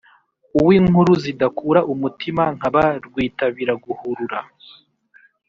Uw'inkuru zidakura umutima, nkaba Rwitabiraguhurura,